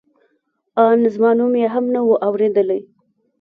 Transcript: ان زما نوم یې هم نه و اورېدلی.